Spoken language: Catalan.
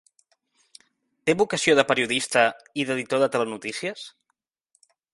Té vocació de periodista i d’editor de telenotícies?